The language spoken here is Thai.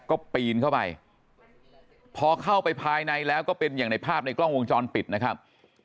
ก็ปีนเข้าไปพอเข้าไปภายในแล้วก็เป็นอย่างในภาพในกล้องวงจรปิดนะครับ